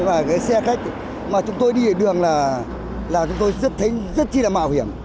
cái xe khách mà chúng tôi đi ở đường là chúng tôi rất thấy rất chi là mạo hiểm